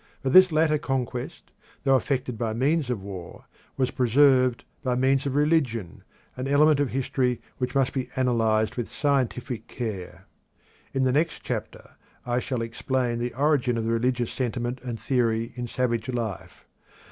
But this latter conquest, though effected by means of war, was preserved by means of religion, an element of history which must be analysed with scientific care. In the next chapter I shall explain the origin of the religious sentiment and theory in savage life.